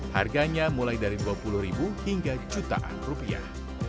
harganya mulai dari dua puluh ribu hingga jutaan rupiah